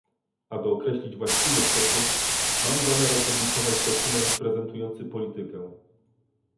Aby określić właściwy sposób, mam zamiar opublikować dokument prezentujący politykę